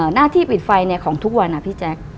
หน้าที่ปิดไฟของทุกวันนะพี่แจ๊ค